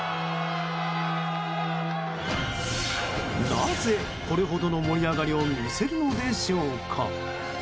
なぜ、これほどの盛り上がりを見せるのでしょうか？